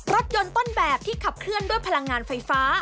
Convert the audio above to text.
รถยนต์ต้นแบบที่ขับเคลื่อนด้วยพลังงานไฟฟ้า